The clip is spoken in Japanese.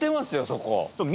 そこ。